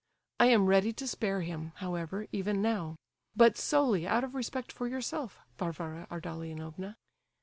I am ready to spare him, however, even now; but solely out of respect for yourself, Varvara Ardalionovna.